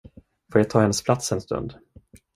Får jag ta hennes plats en stund?